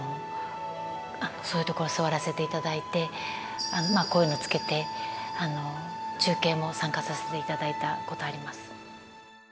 そういうところ座らせていただいてこういうのつけて中継も参加させていただいたことあります。